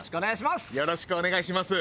よろしくお願いします！